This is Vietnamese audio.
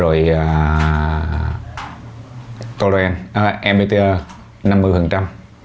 rồi covid một mươi chín là năm mươi